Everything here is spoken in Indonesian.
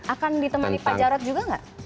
akan ditemani pak jarod juga nggak